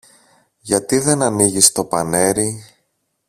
Γιατί δεν ανοίγεις το πανέρι;